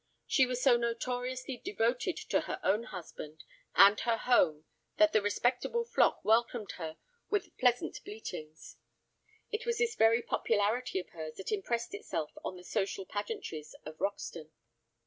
She was so notoriously devoted to her own husband and her home that the respectable flock welcomed her with pleasant bleatings. It was this very popularity of hers that impressed itself on the social pageantries of Roxton.